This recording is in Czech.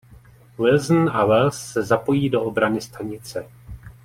Wilson a Wells se zapojí do obrany stanice.